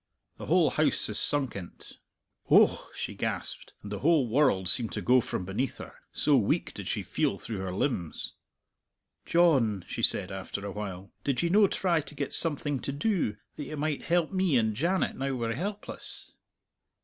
The whole house is sunk in't." "Oh!" she gasped, and the whole world seemed to go from beneath her, so weak did she feel through her limbs. "John," she said, after a while, "did ye no try to get something to do, that you might help me and Janet now we're helpless?"